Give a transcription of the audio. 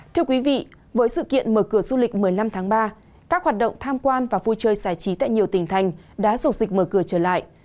thưa quý vị với sự kiện mở cửa du lịch một mươi năm tháng ba các hoạt động tham quan và vui chơi giải trí tại nhiều tỉnh thành đã sộc dịch mở cửa trở lại